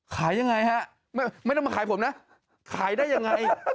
ขายยังไงฮะไม่ต้องมาขายผมนะขายได้ยังไง